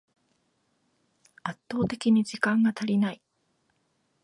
圧倒的に時間が足りない